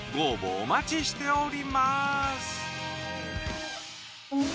お待ちしております。